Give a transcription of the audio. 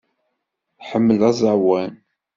Tḥemmel aẓawan.